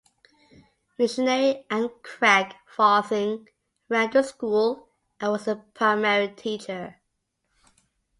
Missionary Anne Cragg Farthing ran the school and was the primary teacher.